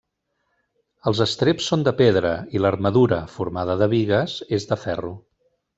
Els estreps són de pedra i l'armadura, formada de bigues, és de ferro.